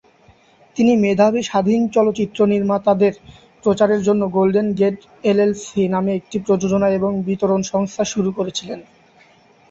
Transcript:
তিনি মেধাবী স্বাধীন চলচ্চিত্র নির্মাতাদের প্রচারের জন্য গোল্ডেন গেট এলএলসি নামে একটি প্রযোজনা এবং বিতরণ সংস্থা শুরু করেছিলেন।